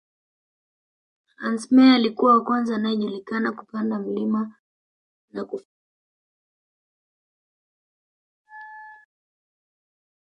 Hans Meyer alikuwa wa kwanza anayejulikana kupanda mlima na kufika hadi kilele cha Kibo